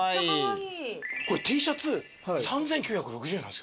これＴシャツ３，９６０円なんですよ。